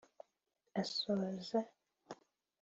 Asoza